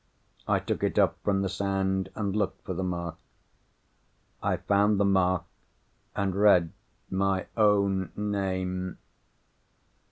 I took it up from the sand, and looked for the mark. I found the mark, and read—MY OWN NAME.